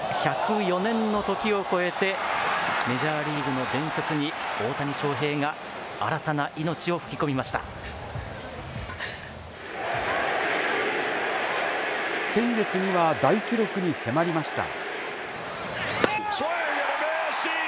１０４年の時をこえてメジャーリーグの伝説に、大谷翔平が新たな先月には大記録に迫りました。